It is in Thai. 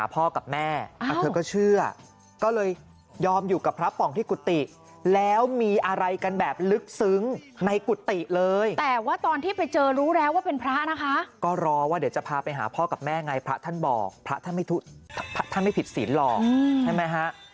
พระท่านไม่ผิดศีลหลอกใช่ไหมฮะ